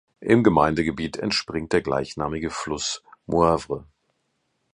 Im Gemeindegebiet entspringt der gleichnamige Fluss Moivre.